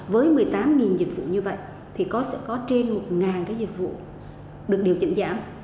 với một mươi tám dịch vụ như vậy thì sẽ có trên một cái dịch vụ được điều chỉnh giảm